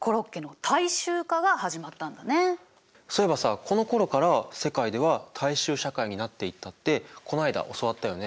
そういえばさこのころから世界では大衆社会になっていったってこの間教わったよね。